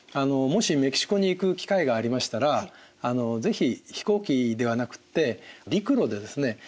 もしメキシコに行く機会がありましたら是非飛行機ではなくって陸路でですね